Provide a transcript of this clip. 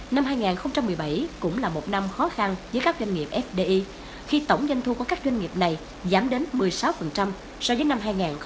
năm hai nghìn một mươi bảy cũng là một năm khó khăn với các doanh nghiệp fdi khi tổng doanh thu của các doanh nghiệp này giảm đến một mươi sáu so với năm hai nghìn một mươi bảy